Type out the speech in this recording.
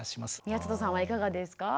宮里さんはいかがですか？